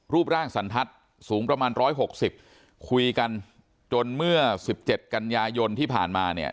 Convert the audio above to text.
รูปร่างสันทัศน์สูงประมาณ๑๖๐คุยกันจนเมื่อ๑๗กันยายนที่ผ่านมาเนี่ย